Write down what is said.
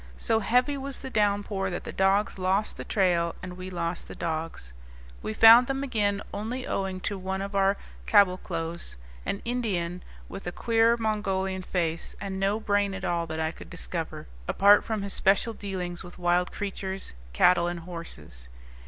So heavy was the downpour that the dogs lost the trail and we lost the dogs. We found them again only owing to one of our caboclos; an Indian with a queer Mongolian face, and no brain at all that I could discover, apart from his special dealings with wild creatures, cattle, and horses.